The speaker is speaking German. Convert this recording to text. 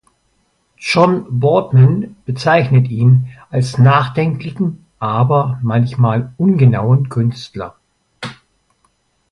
John Boardman bezeichnet ihn als nachdenklichen, aber manchmal ungenauen Künstler.